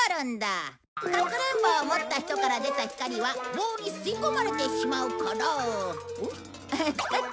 かくれん棒を持った人から出た光は棒に吸い込まれてしまうからおっ？